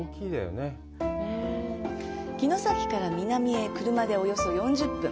城崎から南へ、車でおよそ４０分。